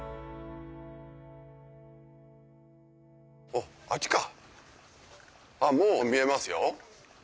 あっちかもう見えますよ。